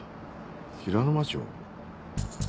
平沼町？